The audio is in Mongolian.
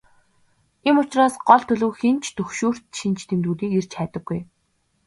Ийм учраас гол төлөв хэн ч түгшүүрт шинж тэмдгүүдийг эрж хайдаггүй.